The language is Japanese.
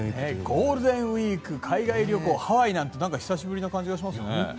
ゴールデンウィーク海外旅行、ハワイなんて久しぶりな感じがしますね。